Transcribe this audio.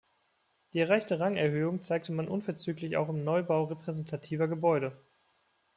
Die erreichte Rangerhöhung zeigte man unverzüglich auch im Neubau repräsentativer Gebäude.